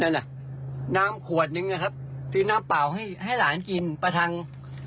นั่นน่ะน้ำขวดนึงนะครับซื้อน้ำเปล่าให้ให้หลานกินประทัง